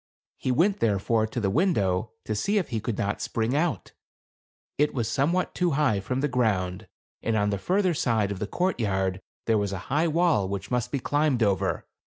He went, therefore, to the window to see if he could not spring out. It was somewhat too high from the ground, and on the further side of the courtyard there was a high wall which must be climbed over.